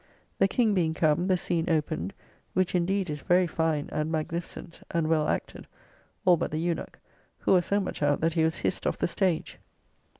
The King being come, the scene opened; which indeed is very fine and magnificent, and well acted, all but the Eunuch, who was so much out that he was hissed off the stage.